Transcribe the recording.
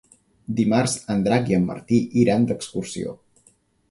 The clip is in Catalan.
Dimarts en Drac i en Martí iran d'excursió.